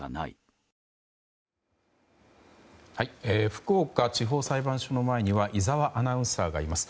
福岡地方裁判所の前には井澤アナウンサーがいます。